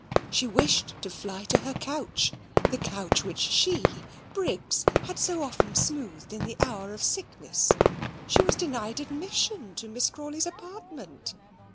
She wished to fly to her couch, that couch which she, Briggs, had so often smoothed in the hour of sickness. She was denied admission to Miss Crawley's apartment.